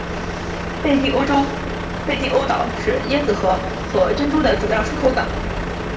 贝蒂欧岛是椰子核和珍珠的主要出口港。